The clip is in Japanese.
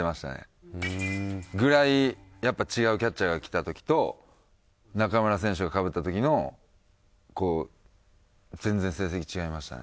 ぐらいやっぱ違うキャッチャーが来た時と中村選手がかぶった時のこう全然成績違いましたね。